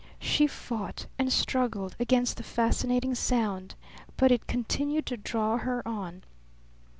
She fought and struggled against the fascinating sound, but it continued to draw her on.